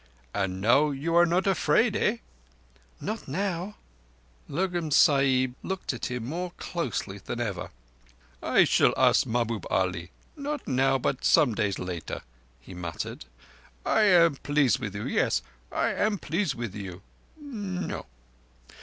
"And now you are not afraid—eh?" "Not now." Lurgan Sahib looked at him more closely than ever. "I shall ask Mahbub Ali—not now, but some day later," he muttered. "I am pleased with you—yes; and I am pleased with you—no.